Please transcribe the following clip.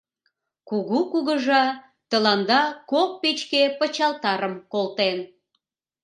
Кугу кугыжа тыланда кок печке пычалтарым колтен.